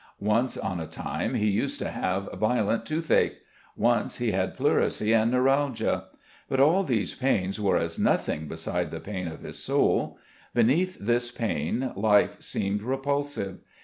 Once on a time he used to have violent toothache. Once, he had pleurisy and neuralgia. But all these pains were as nothing beside the pain of his soul. Beneath this pain life seemed repulsive.